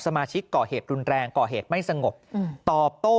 สมาชิกก่อเหตุรุนแรงก่อเหตุไม่สงบตอบโต้